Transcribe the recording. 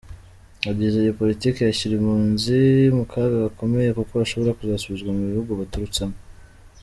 Yagize “Iyo Politiki yashyira impunzi mu kaga gakomeye kuko bashobora kuzasubizwa mu bihugu baturutsemo.”